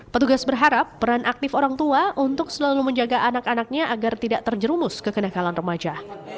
petugas berharap peran aktif orang tua untuk selalu menjaga anak anaknya agar tidak terjerumus ke kenakalan remaja